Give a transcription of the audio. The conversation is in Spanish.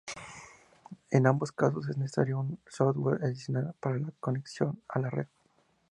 En ambos casos, es necesario un "software" adicional para la conexión a la red.